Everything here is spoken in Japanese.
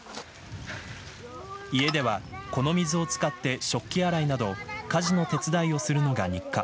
家では、この水を使って食器洗いなど家事の手伝いをするのが日課。